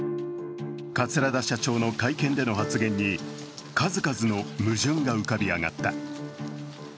桂田社長の会見での発言に数々の矛盾が浮かび上がった。